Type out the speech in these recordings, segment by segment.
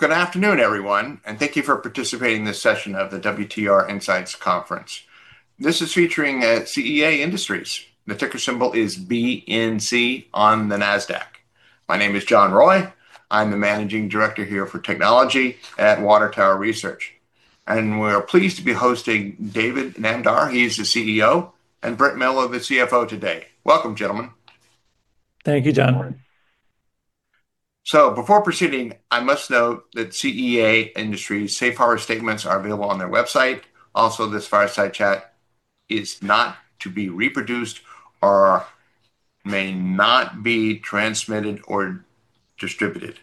Well, good afternoon, everyone, and thank you for participating in this session of the WTR Insights Conference. This is featuring CEA Industries. The ticker symbol is BNC on the Nasdaq. My name is John Roy. I'm the Managing Director here for technology at Water Tower Research, and we're pleased to be hosting David Namdar, he's the Chief Executive Officer, and Brent Miller, the Chief Financial Officer today. Welcome, gentlemen. Thank you, John. Before proceeding, I must note that CEA Industries Safe Harbor statements are available on their website. Also, this fireside chat is not to be reproduced or may not be transmitted or distributed,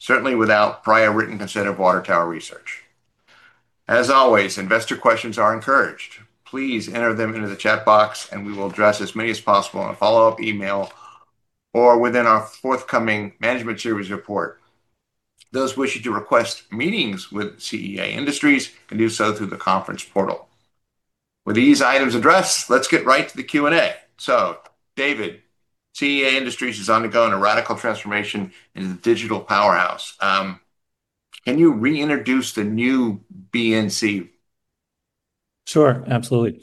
certainly without prior written consent of Water Tower Research. As always, investor questions are encouraged. Please enter them into the chat box and we will address as many as possible in a follow-up email or within our forthcoming Management Series report. Those wishing to request meetings with CEA Industries can do so through the conference portal. With these items addressed, let's get right to the Q&A. David, CEA Industries is undergoing a radical transformation into the digital powerhouse. Can you reintroduce the new BNC? Sure. Absolutely.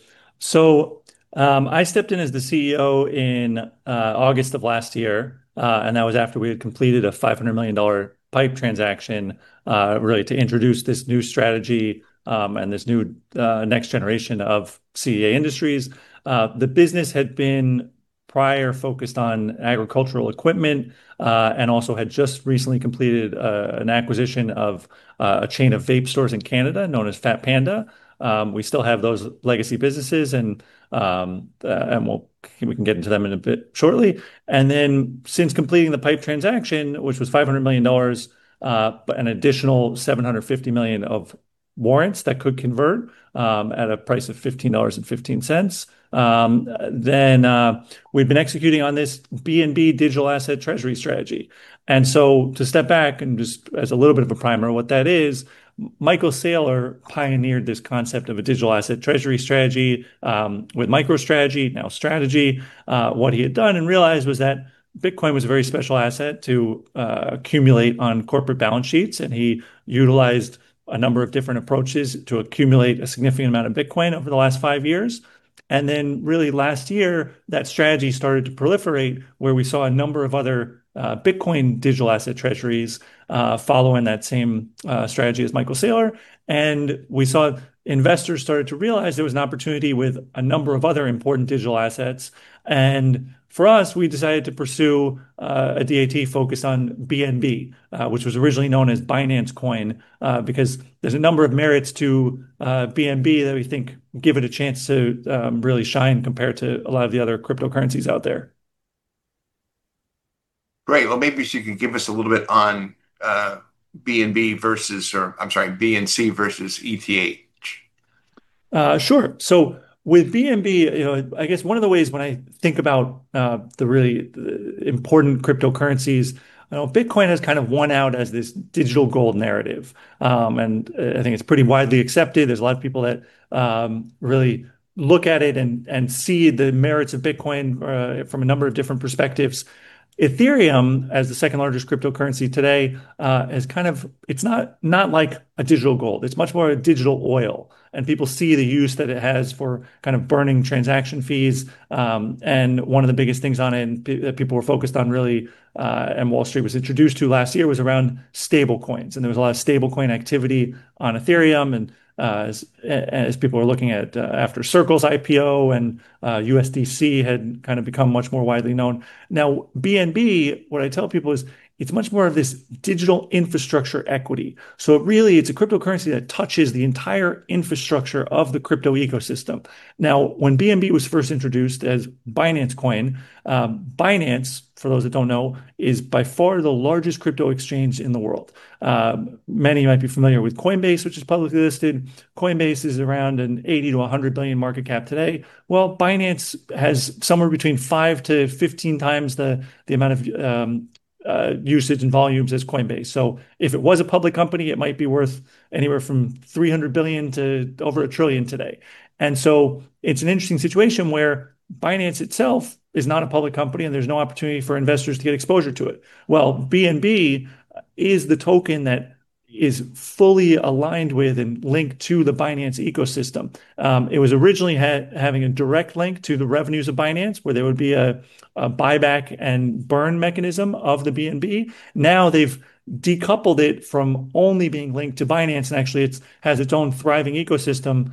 I stepped in as the Chief Executive Officer in August of last year, and that was after we had completed a $500 million PIPE transaction really to introduce this new strategy, and this new next generation of CEA Industries. The business had been prior focused on agricultural equipment, and also had just recently completed an acquisition of a chain of vape stores in Canada known as Fat Panda. We still have those legacy businesses and we can get into them in a bit shortly. Since completing the PIPE transaction, which was $500 million, but an additional $750 million of warrants that could convert at a price of $15.15, then we've been executing on this BNB digital asset treasury strategy. To step back and just as a little bit of a primer on what that is, Michael Saylor pioneered this concept of a digital asset treasury strategy, with MicroStrategy, now Strategy. What he had done and realized was that Bitcoin was a very special asset to accumulate on corporate balance sheets, and he utilized a number of different approaches to accumulate a significant amount of Bitcoin over the last five years. Really last year, that strategy started to proliferate, where we saw a number of other Bitcoin digital asset treasuries following that same strategy as Michael Saylor. We saw investors started to realize there was an opportunity with a number of other important digital assets. For us, we decided to pursue a DAT focus on BNB, which was originally known as Binance Coin, because there's a number of merits to BNB that we think give it a chance to really shine compared to a lot of the other cryptocurrencies out there. Great. Well, maybe you can give us a little bit on BNC versus ETH. Sure. With BNB, I guess one of the ways when I think about the really important cryptocurrencies, Bitcoin has kind of won out as this digital gold narrative. I think it's pretty widely accepted. There's a lot of people that really look at it and see the merits of Bitcoin from a number of different perspectives. Ethereum, as the second-largest cryptocurrency today, it's not like a digital gold. It's much more a digital oil. People see the use that it has for burning transaction fees. One of the biggest things on it, and that people were focused on really, and Wall Street was introduced to last year was around stablecoins. There was a lot of stablecoin activity on Ethereum and as people were looking at after Circle's IPO and USDC had become much more widely known. Now, BNB, what I tell people is it's much more of this digital infrastructure equity. Really, it's a cryptocurrency that touches the entire infrastructure of the crypto ecosystem. Now, when BNB was first introduced as Binance Coin, Binance, for those that don't know, is by far the largest crypto exchange in the world. Many might be familiar with Coinbase, which is publicly listed. Coinbase is around an $80 billion-$100 billion market cap today. Well, Binance has somewhere between 5x to 15x the amount of usage and volumes as Coinbase. If it was a public company, it might be worth anywhere from $300 billion-over $1 trillion today. It's an interesting situation where Binance itself is not a public company, and there's no opportunity for investors to get exposure to it. Well, BNB is the token that is fully aligned with and linked to the Binance ecosystem. It was originally having a direct link to the revenues of Binance, where there would be a buyback and burn mechanism of the BNB. Now they've decoupled it from only being linked to Binance, and actually, it has its own thriving ecosystem,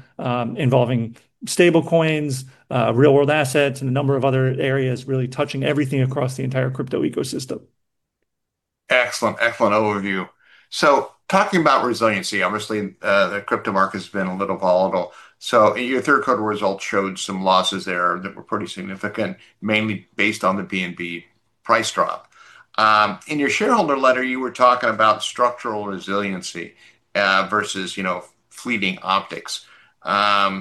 involving stablecoins, real-world assets, and a number of other areas really touching everything across the entire crypto ecosystem. Excellent overview. Talking about resiliency, obviously, the crypto market's been a little volatile. Your third quarter results showed some losses there that were pretty significant, mainly based on the BNB price drop. In your shareholder letter, you were talking about structural resiliency, versus fleeting optics. I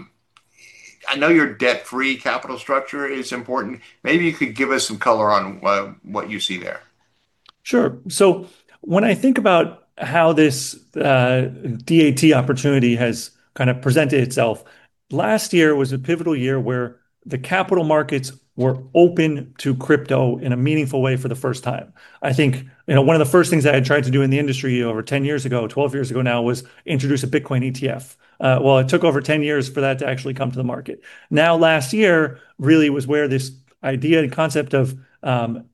know your debt-free capital structure is important. Maybe you could give us some color on what you see there. Sure. When I think about how this DAT opportunity has kind of presented itself, last year was a pivotal year where the capital markets were open to crypto in a meaningful way for the first time. I think one of the first things that I tried to do in the industry over 10 years ago, 12 years ago now, was introduce a Bitcoin ETF. Well, it took over 10 years for that to actually come to the market. Now, last year really was where this idea and concept of crypto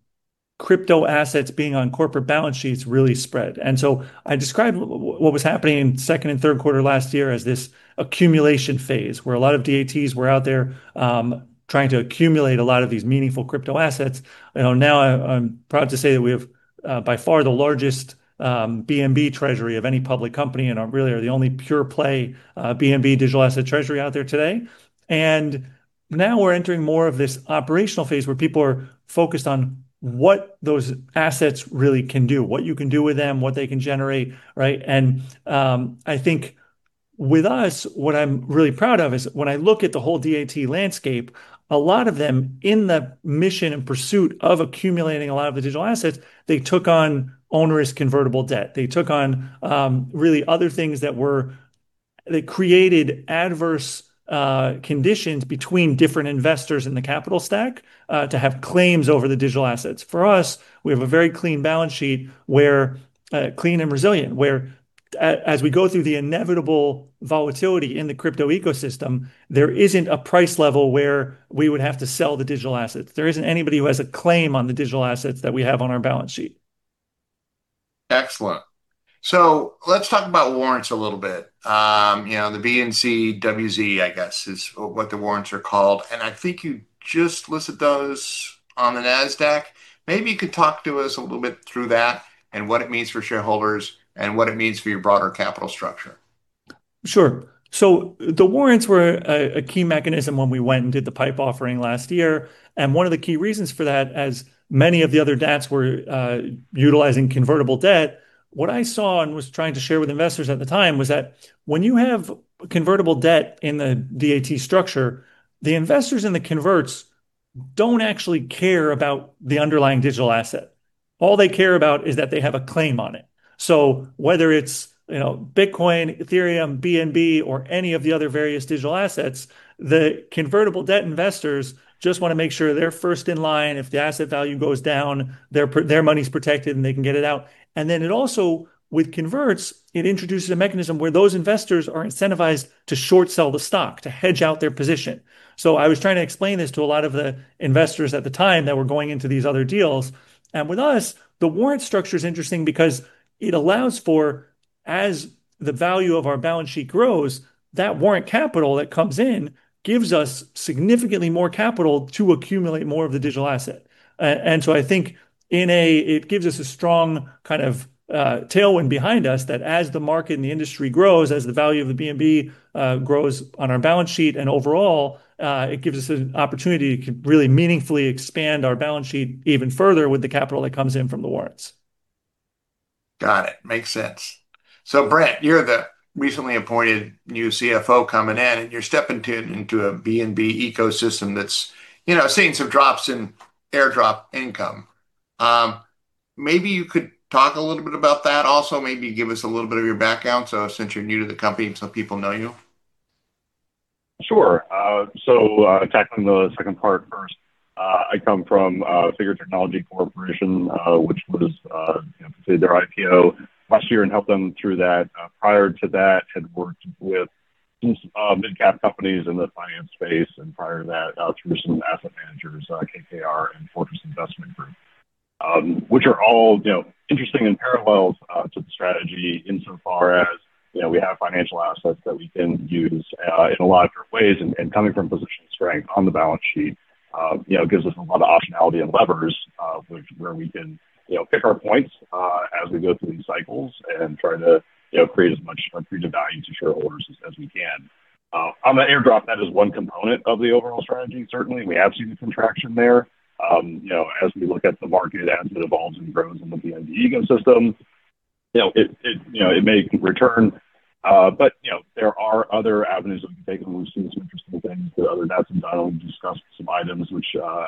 assets being on corporate balance sheets really spread. I describe what was happening in second and third quarter last year as this accumulation phase, where a lot of DATs were out there trying to accumulate a lot of these meaningful crypto assets. Now I'm proud to say that we have by far the largest BNB treasury of any public company and really are the only pure-play BNB digital asset treasury out there today. Now we're entering more of this operational phase where people are focused on what those assets really can do, what you can do with them, what they can generate, right? I think with us, what I'm really proud of is when I look at the whole DAT landscape, a lot of them in the mission and pursuit of accumulating a lot of the digital assets, they took on onerous convertible debt. They took on really other things that created adverse conditions between different investors in the capital stack to have claims over the digital assets. For us, we have a very clean balance sheet, clean and resilient, where, as we go through the inevitable volatility in the crypto ecosystem, there isn't a price level where we would have to sell the digital assets. There isn't anybody who has a claim on the digital assets that we have on our balance sheet. Excellent. Let's talk about warrants a little bit. The BNC WZ, I guess, is what the warrants are called, and I think you just listed those on the Nasdaq. Maybe you could talk to us a little bit through that and what it means for shareholders and what it means for your broader capital structure. Sure. The warrants were a key mechanism when we went and did the PIPE offering last year. One of the key reasons for that, as many of the other DATs were utilizing convertible debt, what I saw and was trying to share with investors at the time was that when you have convertible debt in the DAT structure, the investors in the converts don't actually care about the underlying digital asset. All they care about is that they have a claim on it. Whether it's Bitcoin, Ethereum, BNB, or any of the other various digital assets, the convertible debt investors just want to make sure they're first in line. If the asset value goes down, their money's protected, and they can get it out. It also, with converts, it introduces a mechanism where those investors are incentivized to short sell the stock to hedge out their position. I was trying to explain this to a lot of the investors at the time that were going into these other deals. With us, the warrant structure is interesting because it allows for, as the value of our balance sheet grows, that warrant capital that comes in gives us significantly more capital to accumulate more of the digital asset. I think it gives us a strong kind of tailwind behind us that as the market and the industry grows, as the value of the BNB grows on our balance sheet and overall, it gives us an opportunity to really meaningfully expand our balance sheet even further with the capital that comes in from the warrants. Got it, makes sense. Brent, you're the recently appointed new Chief Financial Officer coming in, and you're stepping into a BNB ecosystem that's seeing some drops in airdrop income. Maybe you could talk a little bit about that. Also maybe give us a little bit of your background, since you're new to the company and some people know you. Sure. Tackling the second part first. I come from Figure Technology Corporation, which just completed their IPO last year, and I helped them through that. Prior to that, I had worked with some mid-cap companies in the finance space and, prior to that, through some asset managers, KKR and Fortress Investment Group, which are all interesting in parallels to the strategy insofar as we have financial assets that we can use in a lot of different ways. Coming from a position of strength on the balance sheet gives us a lot of optionality and levers, where we can pick our points as we go through these cycles and try to create as much accretive value to shareholders as we can. On the airdrop, that is one component of the overall strategy. Certainly, we have seen the contraction there. As we look at the market, as it evolves and grows in the BNB ecosystem, it may return. There are other avenues that we've taken. We've seen some interesting things that other DATs have done. We've discussed some items which I'm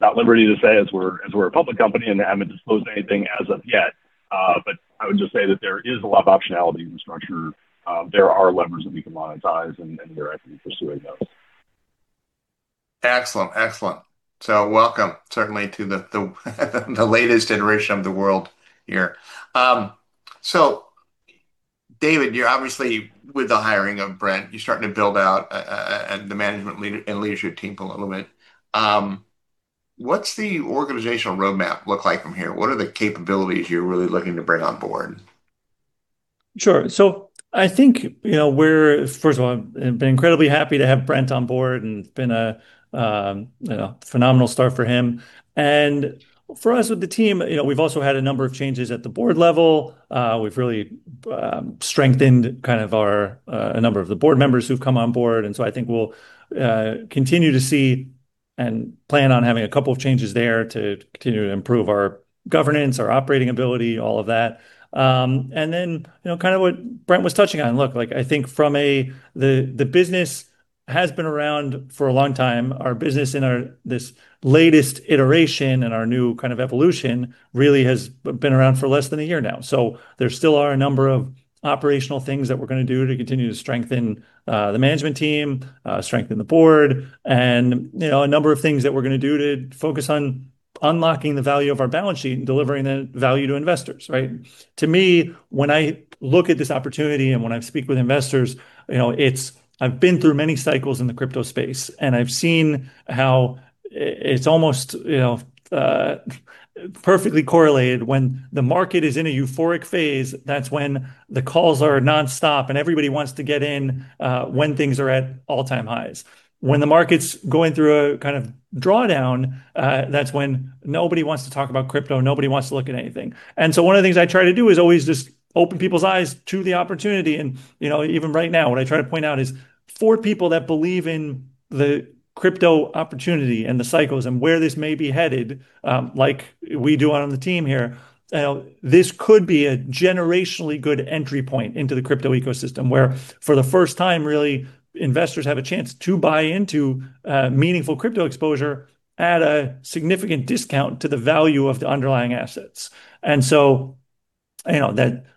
not at liberty to say, as we're a public company and haven't disclosed anything as of yet. I would just say that there is a lot of optionality in the structure. There are levers that we can monetize, and we're actively pursuing those. Excellent, excellent. Welcome certainly to the latest iteration of the [world] here. David, you're obviously with the hiring of Brent, you're starting to build out the management and leadership team a little bit. What's the organizational roadmap look like from here? What are the capabilities you're really looking to bring on board? Sure. I think, first of all, I've been incredibly happy to have Brent on board, and it's been a phenomenal start for him. For us with the team, we've also had a number of changes at the Board level. We've really strengthened kind of a number of the Board members who've come on board. I think we'll continue to see and plan on having a couple of changes there to continue to improve our governance, our operating ability, all of that. Kind of what Brent was touching on, look, I think the business has been around for a long time. Our business in this latest iteration and our new kind of evolution really has been around for less than a year now. There still are a number of operational things that we're going to do to continue to strengthen the Management Team, strengthen the Board, and a number of things that we're going to do to focus on unlocking the value of our balance sheet and delivering the value to investors, right? To me, when I look at this opportunity and when I speak with investors, I've been through many cycles in the crypto space and I've seen how it's almost perfectly correlated. When the market is in a euphoric phase, that's when the calls are nonstop and everybody wants to get in when things are at all-time highs. When the market's going through a kind of drawdown, that's when nobody wants to talk about crypto, nobody wants to look at anything. One of the things I try to do is always just open people's eyes to the opportunity. Even right now, what I try to point out is for people that believe in the crypto opportunity and the cycles and where this may be headed, like we do out on the team here, this could be a generationally good entry point into the crypto ecosystem, where for the first time, really, investors have a chance to buy into meaningful crypto exposure at a significant discount to the value of the underlying assets. There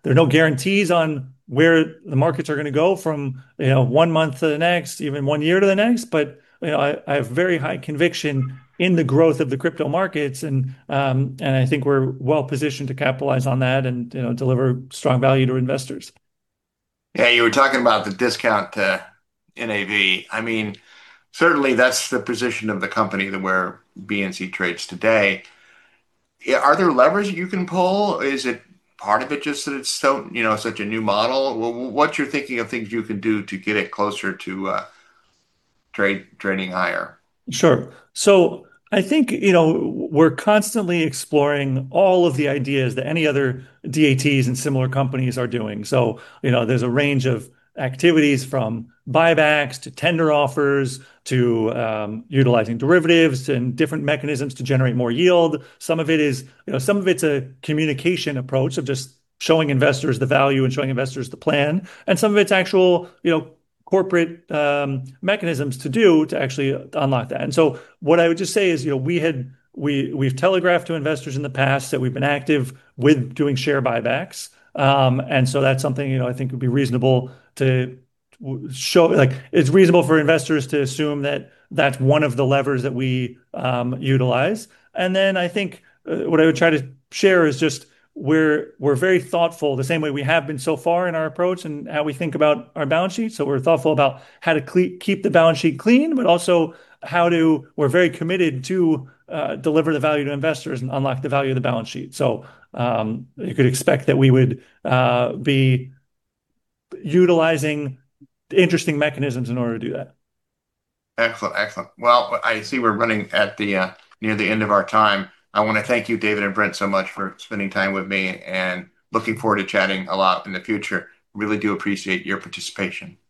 are no guarantees on where the markets are going to go from one month to the next, even one year to the next, but I have very high conviction in the growth of the crypto markets, and I think we're well-positioned to capitalize on that and deliver strong value to investors. Yeah, you were talking about the discount to NAV. Certainly that's the position of the company where BNC trades today. Are there levers you can pull? Is it part of it just that it's such a new model? What's your thinking of things you can do to get it closer to trading higher? Sure, I think we're constantly exploring all of the ideas that any other DATs and similar companies are doing. There's a range of activities from buybacks to tender offers to utilizing derivatives and different mechanisms to generate more yield. Some of it's a communication approach of just showing investors the value and showing investors the plan, and some of it's actual corporate mechanisms to actually unlock that. What I would just say is we've telegraphed to investors in the past that we've been active with doing share buybacks. That's something I think it's reasonable for investors to assume that that's one of the levers that we utilize. I think what I would try to share is just we're very thoughtful, the same way we have been so far in our approach and how we think about our balance sheet. We're thoughtful about how to keep the balance sheet clean, but also we're very committed to deliver the value to investors and unlock the value of the balance sheet. You could expect that we would be utilizing interesting mechanisms in order to do that. Excellent, excellent. Well, I see we're running near the end of our time. I want to thank you, David and Brent, so much for spending time with me, and looking forward to chatting a lot in the future. Really do appreciate your participation.